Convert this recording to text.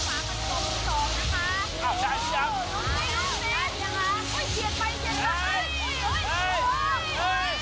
ยังไม่ได้อีกอุ้ยเหี้ยอุ้ยอุ้ยอุ้ยอุ้ยอุ้ยอุ้ยอุ้ย